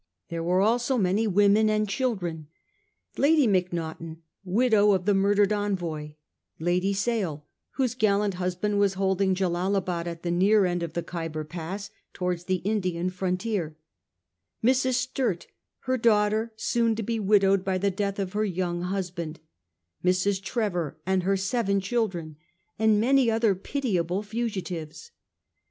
.There were also many women and children. Lady Macnaghten, widow of the murdered envoy ; Lady Sale, whose gallant husband was holding Jellalabad at the near end of the Khyber Pass towards the Indian frontier ; Mrs. Sturt, her daughter, soon to be widowed by the death of her young husband ; Mrs. Trevor and her seven children, and many other pitiable fugitives.